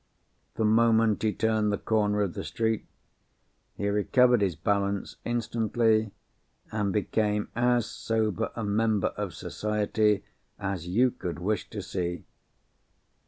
The moment he turned the corner of the street, he recovered his balance instantly, and became as sober a member of society as you could wish to see.